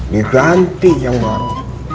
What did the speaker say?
diganti yang baru